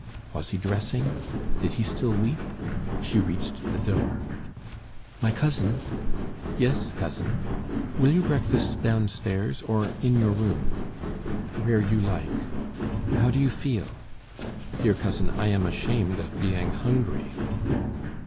Was he dressing? Did he still weep? She reached the door. "My cousin!" "Yes, cousin." "Will you breakfast downstairs, or in your room?" "Where you like." "How do you feel?" "Dear cousin, I am ashamed of being hungry."